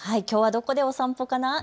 きょうはどこでお散歩かな。